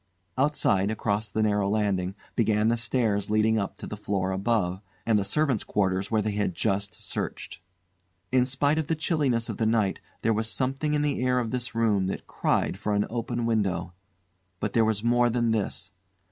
Outside, across the narrow landing, began the stairs leading up to the floor above, and the servants' quarters where they had just searched. In spite of the chilliness of the night there was something in the air of this room that cried for an open window. But there was more than this.